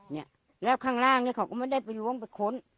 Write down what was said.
เนี่ยแล้วข้างล่างเนี่ยเขาก็ไม่ได้ไปล้วงไปค้น